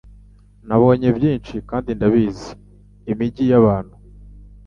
Nabonye byinshi kandi ndabizi - imigi yabantu